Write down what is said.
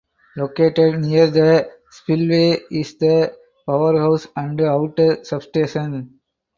Located near the spillway is the powerhouse and outdoor substation.